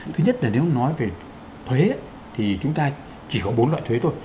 thứ nhất là nếu nói về thuế thì chúng ta chỉ có bốn loại thuế thôi